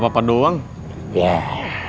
nah kalau agrade